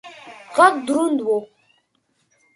غږ دروند و.